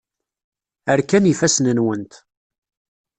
Rkan yifassen-nwent.